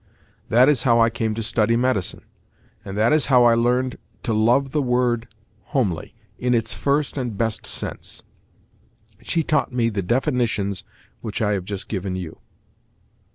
That is how I came to study medicine, and that is how I learned to love the word 'homely' in its first and best sense. She taught me the definitions which I have just given you."